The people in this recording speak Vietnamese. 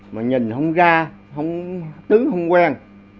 mà nhìn không ra tứ không quen